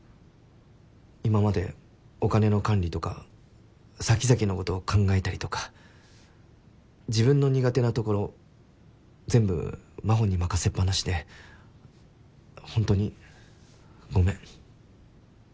今までお金の管理とか先々のことを考えたりとか自分の苦手なところ全部真帆に任せっぱなしでホントにごめん。